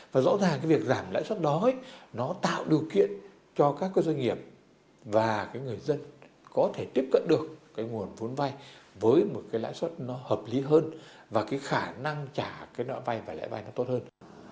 và rõ ràng cái việc giảm lãi suất đó nó tạo điều kiện cho các doanh nghiệp và người dân có thể tiếp cận được nguồn vốn vai với một lãi suất hợp lý hơn và khả năng trả lãi vai tốt hơn